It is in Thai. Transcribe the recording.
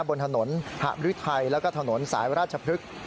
บนถนนหาบริทัยแล้วก็ถนนสายราชพลึก